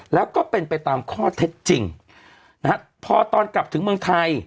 แล้วก็เป็นไปตามข้อเท็จจริงนะฮะพอตอนกลับถึงเมืองไทย